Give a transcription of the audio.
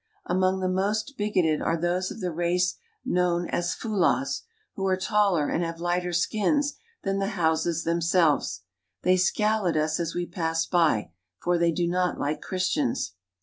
Among the most big oted are those of the race known as Fulahs, who are taller and have lighter skins than the Hausas themselves. They scowl at us as we pass by, for they do not like Christians.